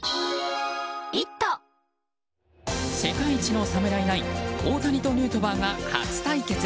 世界一の侍ナイン大谷とヌートバーが初対決。